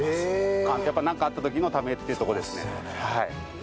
やっぱ何かあった時のためっていうとこですね。